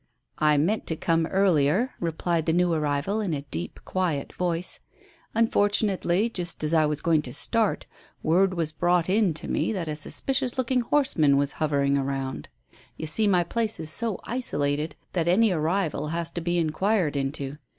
"I meant to come earlier," replied the new arrival, in a deep, quiet voice. "Unfortunately, just as I was going to start, word was brought in to me that a suspicious looking horseman was hovering round. You see my place is so isolated that any arrival has to be inquired into.